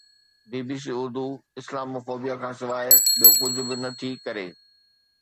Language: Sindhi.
بي B C Urdu Islamophobia کان سواءِ ٻيو ڪجهه به نٿي ڪري